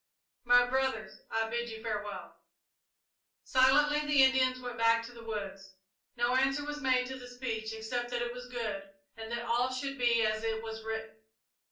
My brothers, I bid you farewell." Silently the Indians went back to the woods. No answer was made to the speech except that it was good, and that all should be as it was written.